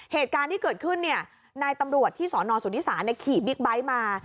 เหตุการณ์ที่เกิดขึ้นนายตำรวจที่สนสุธิศาลขี่บิ๊กไบท์มา